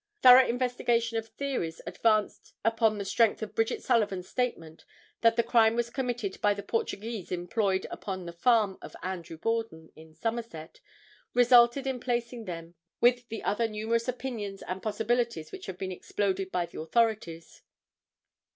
Thorough investigation of theories advanced upon the strength of Bridget Sullivan's statement that the crime was committed by the Portuguese employed upon the farm of Andrew Borden in Somerset, resulted in placing them with the other numerous opinions and possibilities which have been exploded by the authorities.